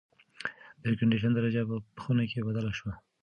د اېرکنډیشن درجه په خونه کې بدله شوه.